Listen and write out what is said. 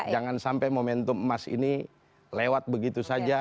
jangan sampai momentum emas ini lewat begitu saja